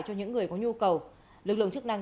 cho những người có nhu cầu lực lượng chức năng